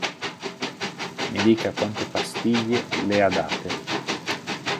Mi dica quante pastiglie le ha date.